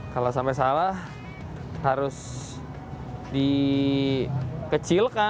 kalau sampai salah harus dikecilkan